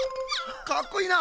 かっこいいな。